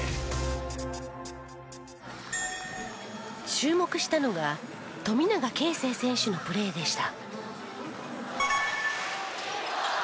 注目したのが富永啓生選手のプレーでした。